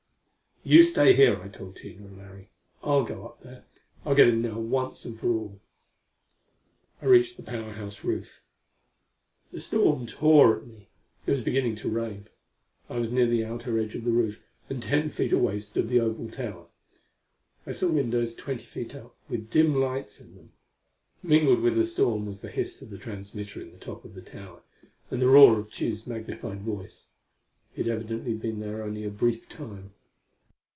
] "You stay here," I told Tina and Larry; "I'll go up there. I'll get him now once and for all." I reached the Power House roof. The storm tore at me. It was beginning to rain. I was near the outer edge of the roof, and ten feet away stood the oval tower. I saw windows twenty feet up, with dim lights in them. Mingled with the storm was the hiss of the transmitter in the top of the tower, and the roar of Tugh's magnified voice. He had evidently been there only a brief time.